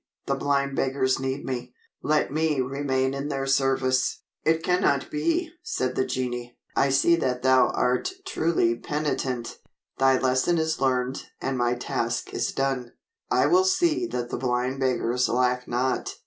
The blind beggars need me. Let me remain in their service." "It cannot be," said the genii. "I see that thou art truly penitent. Thy lesson is learned and my task is done. I will see that the blind beggars lack not."